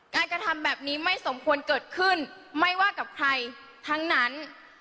กระทำแบบนี้ไม่สมควรเกิดขึ้นไม่ว่ากับใครทั้งนั้น